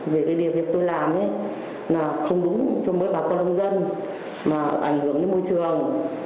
vì cái điều việc tôi làm là không đúng cho mỗi bà con nông dân mà ảnh hưởng đến môi trường